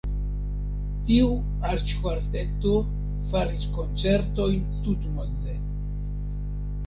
Tiu arĉkvarteto faris koncertojn tutmonde.